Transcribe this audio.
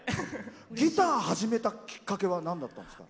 ギター始めたきっかけはなんだったんですか？